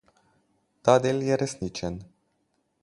Ta del je resničen.